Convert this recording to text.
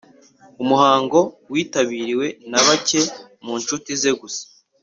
umuhango witabiriwe na bake mu nshuti ze gusa